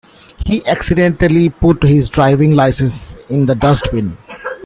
He accidentally put his driving licence in the dustbin